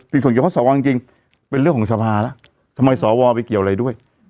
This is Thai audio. ติดส่งเกี่ยวกับสอวอจริงจริงเป็นเรื่องของสภาระทำไมสอวอไปเกี่ยวอะไรด้วย